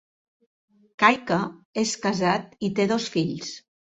Caica és casat i té dos fills.